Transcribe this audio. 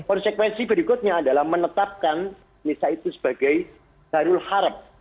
konsekuensi berikutnya adalah menetapkan nisa itu sebagai darul haram